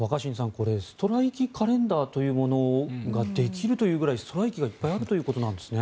これ、ストライキ・カレンダーというものができるというくらいストライキがいっぱいあるということなんですね。